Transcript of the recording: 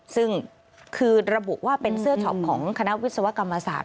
ซึ่งคือระบุว่าเป็นเสื้อช็อปของคณะวิศวกรรมศาสตร์